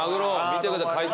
見てください。